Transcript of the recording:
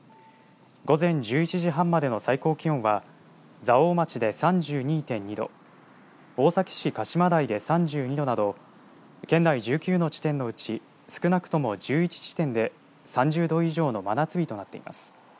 午前１１時半までの最高気温は蔵王町で３２．２度、大崎市鹿島台で３２度など県内１９の地点のうち少なくとも１１地点で３０度以上の真夏日となっています。